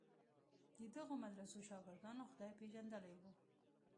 د دغو مدرسو شاګردانو خدای پېژندلی و.